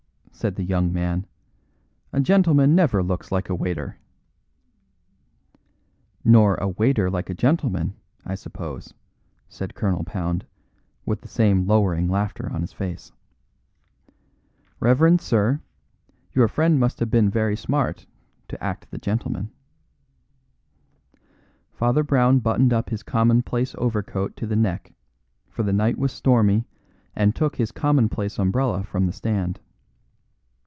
said the young man, "a gentleman never looks like a waiter." "Nor a waiter like a gentleman, I suppose," said Colonel Pound, with the same lowering laughter on his face. "Reverend sir, your friend must have been very smart to act the gentleman." Father Brown buttoned up his commonplace overcoat to the neck, for the night was stormy, and took his commonplace umbrella from the stand.